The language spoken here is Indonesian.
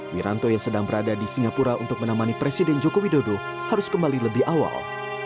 wiranto yang sedang berada di singapura untuk menemani presiden joko widodo harus kembali lebih awal